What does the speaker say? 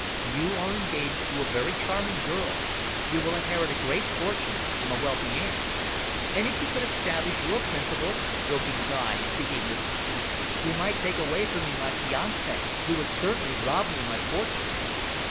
You are engaged to a very charming girl, you will inherit a great fortune from a wealthy aunt." "And, if you could establish your principles," broke in Guy, speaking with some heat, "you might take away from me my fiancee you would certainly rob me of my fortune."